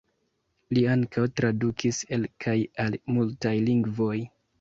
Li ankaŭ tradukis el kaj al multaj lingvoj.